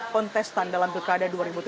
kontestan dalam pilkada dua ribu tujuh belas